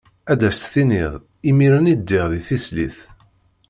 Ad as-tiniḍ imiren i ddiɣ d tislit.